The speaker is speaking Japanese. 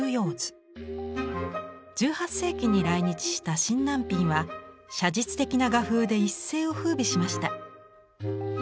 １８世紀に来日した沈南蘋は写実的な画風で一世を風靡しました。